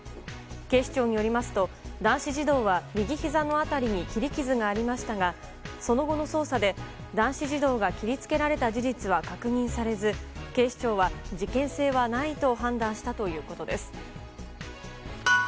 警視庁によりますと男子児童は右ひざの辺りに切り傷がありましたがその後の捜査で男子児童が切り付けられた事実は確認されず警視庁は事件性はないと判断したということです。